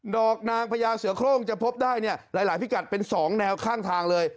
ดอกนางพญาเสือโครงจะพบได้เนี่ยหลายพิกัดเป็น๒แนวข้างทางเลย